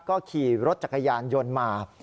ก็ขี่รถจักรยานยนต์มา